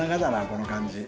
この感じ。